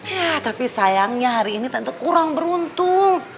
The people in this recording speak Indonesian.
ya tapi sayangnya hari ini tentu kurang beruntung